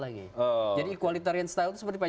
lagi jadi equalitarian style itu seperti pak